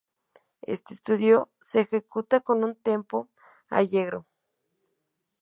Este estudio se ejecuta con un tempo "Allegro".